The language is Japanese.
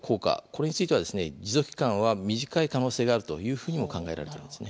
これについては持続期間は短い可能性があるというふうにも考えられています。